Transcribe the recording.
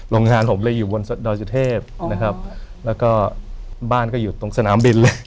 โรงงานผมเลยอยู่บนดอยสุเทพนะครับแล้วก็บ้านก็อยู่ตรงสนามบินเลย